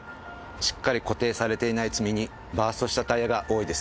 しっかり固定されていない積み荷バーストしたタイヤが多いですね。